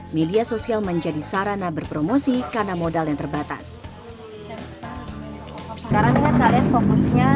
media sosial menjadi sarana berpromosi karena modal yang terbatas sekarangnya kalian fokusnya